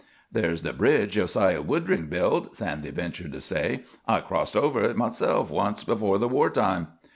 "There's the bridge Josiah Woodring built," Sandy ventured to say. "I crossed over to hit myself once afore the war time."